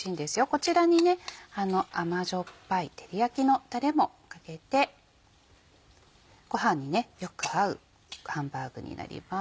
こちらに甘じょっぱい照り焼きのたれもかけてご飯によく合うハンバーグになります。